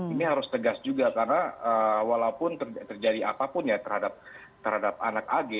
ini harus tegas juga karena walaupun terjadi apapun ya terhadap anak ag